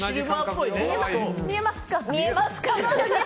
見えますか？